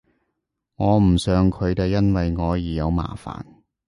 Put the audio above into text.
我唔想佢哋因為我而有麻煩